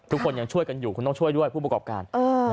ทุกคนยังช่วยกันอยู่คุณต้องช่วยด้วยผู้ประกอบการ